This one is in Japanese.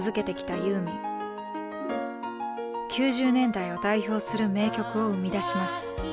９０年代を代表する名曲を生み出します。